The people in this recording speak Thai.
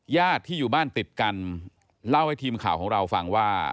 ญาติที่อยู่บ้านติดกันเล่าให้ทีมข่าวของเราฟังว่า